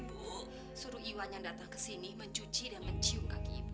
bu suruh iwan yang datang ke sini mencuci dan mencium kaki ibu